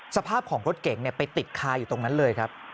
สภาพของรถเก่งไปติดคาอยู่ตรงนั้นเลยครับ